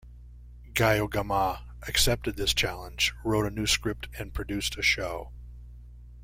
Geiogamah accepted this challenge, wrote a new script and produced a show.